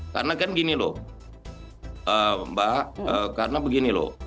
karena kan gini loh mbak karena begini loh